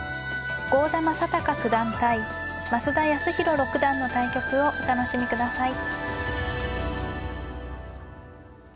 郷田真隆九段対増田康宏六段の対局をお楽しみください。